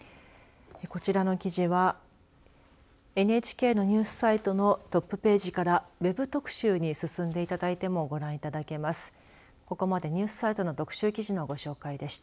こちらの記事はＮＨＫのニュースサイトのトップページからウェブ特集に進んでいただいてもご覧いただけます。